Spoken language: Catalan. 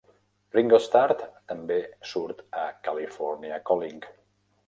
Ringo Starr també surt a "California Calling".